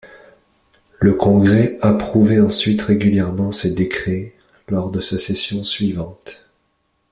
Le congrès approuvait ensuite régulièrement ces décrets, lors de sa session suivante.